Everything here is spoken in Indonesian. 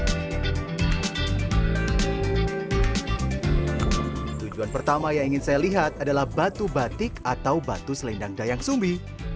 tujuan pertama yang ingin saya lihat adalah batu batik atau batu selendang dayang sumbi